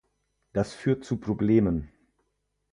Das führt zu Problemen.